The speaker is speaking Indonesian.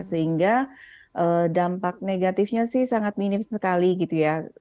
sehingga dampak negatifnya sih sangat minim sekali gitu ya